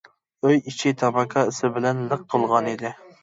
ئۆي ئىچى تاماكا ئىسى بىلەن لىق تولغانىدى.